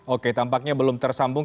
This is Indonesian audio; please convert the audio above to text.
oke tampaknya belum tersambung